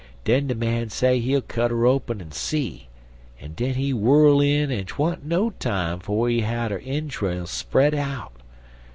Den de man say he'll cut 'er open en see, en den he whirl in, en twan't no time 'fo' he had 'er intruls spread out.